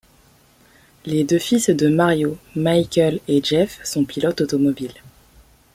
Les deux fils de Mario, Michael et Jeff sont pilotes automobiles.